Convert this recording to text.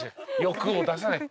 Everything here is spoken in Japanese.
欲を出さない。